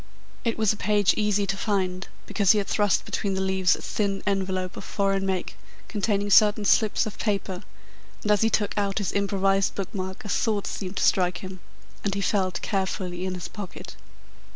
It was a page easy to find, because he had thrust between the leaves a thin envelope of foreign make containing certain slips of paper, and as he took out his improvised book mark a thought seemed to strike him, and he felt carefully in his pocket.